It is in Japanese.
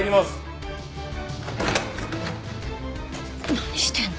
何してんの？